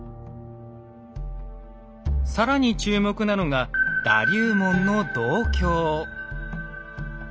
更に注目なのがだ龍文の銅鏡。